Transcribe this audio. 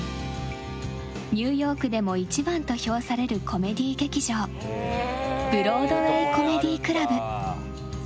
ニューヨークでも一番と評されるコメディー劇場ブロードウェイ・コメディ・クラブ。